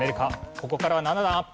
ここからは７段アップ。